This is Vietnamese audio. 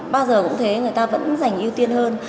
bao giờ cũng thế người ta vẫn dành ưu tiên hơn